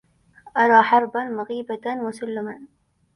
أرى حربا مغيبة وسلما